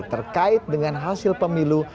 terkait dengan hasil pemilu